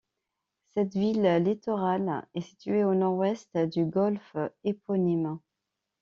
Cette ville littorale est située au nord-ouest du golfe éponyme.